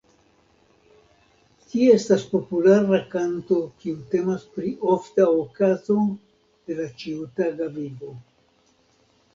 Ĝi estas populara kanto kiu temas pri ofta okazo de la ĉiutaga vivo.